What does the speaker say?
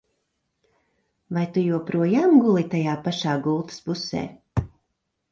Vai tu joprojām guli tajā pašā gultas pusē?